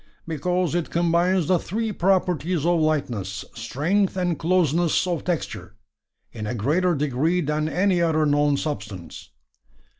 "Because it combines the three properties of lightness, strength, and closeness of texture, in a greater degree than any other known substance."